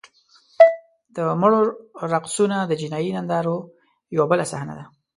د مړو رقصونه د جنایي نندارو یوه بله صحنه ده.